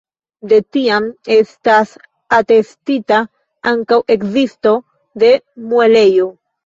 De tiam estas atestita ankaŭ ekzisto de muelejo.